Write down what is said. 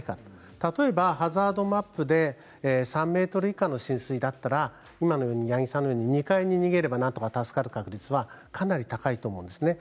例えば、ハザードマップで３ｍ以下の浸水だったら今の八木さんのように２階に逃げればなんとか助かる確率はかなり高いと思うんですね。